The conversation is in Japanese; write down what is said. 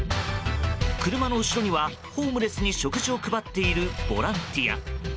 車の後ろにはホームレスに食事を配っているボランティア